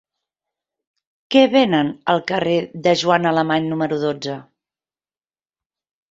Què venen al carrer de Joana Alemany número dotze?